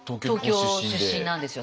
東京出身なんですよ